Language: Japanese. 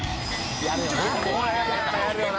やるよな。